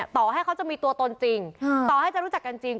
ต่อให้เขาจะมีตัวตนจริงต่อให้จะรู้จักกันจริง